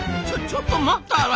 ちょちょっと待った！